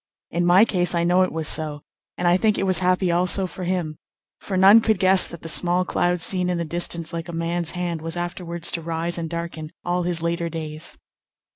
In my case I know it was so, and I think it was happy also for him; for none could guess that the small cloud seen in the distance like a man's hand was afterwards to rise and darken all his later days.